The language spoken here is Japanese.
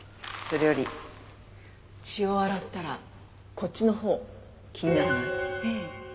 それより血を洗ったらこっちのほう気にならない？ええ。